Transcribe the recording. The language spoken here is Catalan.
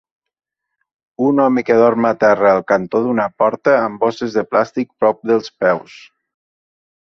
Un home que dorm a terra al cantó d'una porta amb bosses de plàstic prop dels peus.